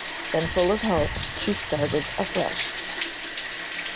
Then full of hope, she started afresh.